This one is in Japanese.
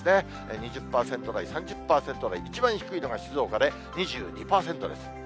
２０％台、３０％台、一番低いのが静岡で２２％です。